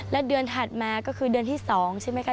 และเดือนถัดมาก็คือเดือนที่๒ใช่ไหมคะ